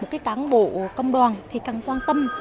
các táng bộ công đoàn thì càng quan tâm